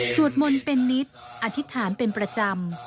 สวดมนต์เป็นนิตรอธิษฐานเป็นประจำ